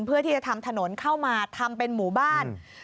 เพื่อที่จะทำถนนเข้ามาทำเป็นหมู่บ้าน